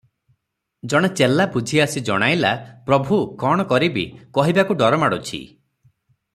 ଜଣେ ଚେଲା ବୁଝି ଆସି ଜଣାଇଲା, "ପ୍ରଭୁ! କଣ କହିବି, କହିବାକୁ ଡର ମାଡୁଛି ।